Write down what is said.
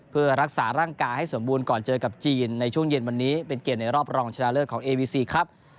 เพื่อรักษาร่างกายให้สมบูรณ์ก่อนเจอกับจีนในช่วงเย็นวันนี้เป็นเกมในรอบรองชนะเลิศของเอวีซีครับ